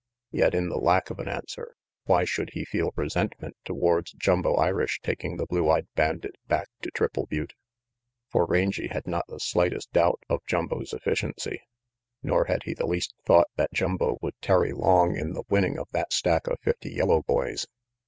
Yet, in the lack of an answer, why should he feel resentment towards Jumbo Irish taking the blue eyed bandit back to Triple Butte? For Rangy had not the slightest doubt of Jumbo's efficiency. Nor had he the least thought that Jumbo would tarry long in the winning of that stack of fifty yellow boys.